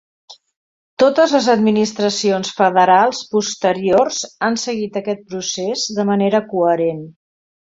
Totes les administracions federals posteriors han seguit aquest procés de manera coherent.